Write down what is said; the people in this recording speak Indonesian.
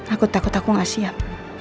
aku takut aku gak siap